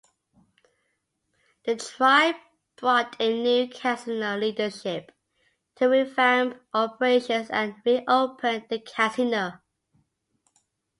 The tribe brought in new casino leadership to revamp operations and reopen the casino.